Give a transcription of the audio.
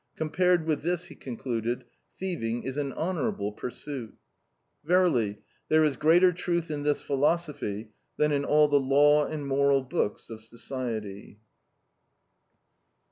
Compared with this," he concluded, "thieving is an honorable pursuit." Verily, there is greater truth in this philosophy than in all the law and moral books of society.